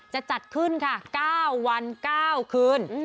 จะจัดขึ้นค่ะ๙วัน๙คืน